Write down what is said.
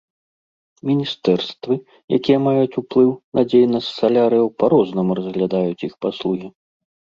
Міністэрствы, якія маюць уплыў на дзейнасць салярыяў па-рознаму разглядаюць іх паслугі.